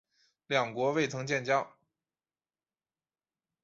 两国未曾建交。